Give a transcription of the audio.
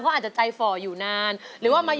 ๕เพลง